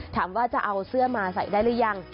ถามว่าจะเอาเสื้อมาใส่ได้หรือยัง